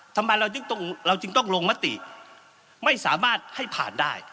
ทำไมเราจึงต้องลงมติไม่สามารถให้ผ่านได้